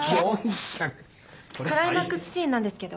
クライマックスシーンなんですけど。